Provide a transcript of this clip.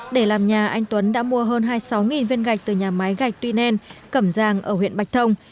để làm nhà anh tuấn đã mua hơn hai mươi sáu viên gạch từ nhà máy gạch tuy nen cẩm giang ở huyện bạch thông